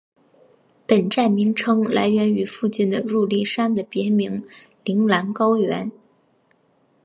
本站名称来源于附近的入笠山的别名铃兰高原。